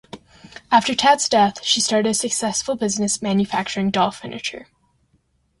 After Tad's death, she started a successful business manufacturing doll furniture.